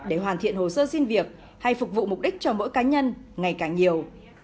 để hoàn thiện hồ sơ xin việc hay phục vụ mục đích cho mỗi cá nhân ngày càng nhiều